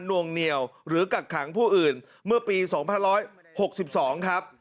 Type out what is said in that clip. วงเหนียวหรือกักขังผู้อื่นเมื่อปี๒๑๖๒ครับ